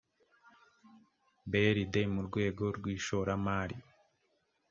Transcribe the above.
brd mu rwego rw ishoramari